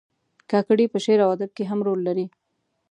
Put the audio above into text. کاکړي په شعر او ادب کې هم رول لري.